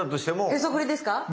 へそくりですか？